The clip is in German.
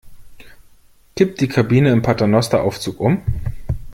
Kippt die Kabine im Paternosteraufzug um?